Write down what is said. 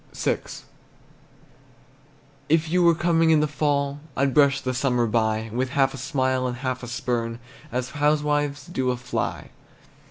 VI. If you were coming in the fall, I'd brush the summer by With half a smile and half a spurn, As housewives do a fly.